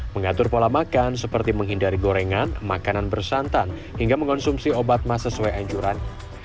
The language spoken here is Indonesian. mengatur pola makan seperti menghindari gorengan makanan bersantan hingga mengonsumsi obat mah sesuai anjuran